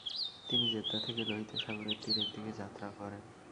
তিনি জেদ্দা থেকে লোহিত সাগরের তীরের দিকে যাত্রা করেন।